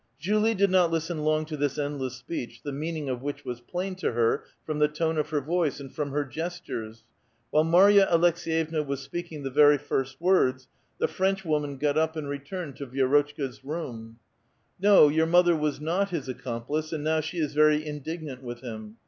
Julio did not listen long to this endless S[)eech, the mean ing of which was plain to her from the tone of her voice, and from her gestuivs. While Marya Aleks^yevna was 8iK»aking tlio very first words, the French woman got up and returned to Vierotchka*s room. No, your motlier was not his accomplice, and now she is very indignant with him.